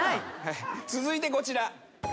続いてこちら。